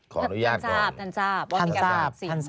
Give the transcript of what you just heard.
ขออนุญาตก่อนท่านทราบ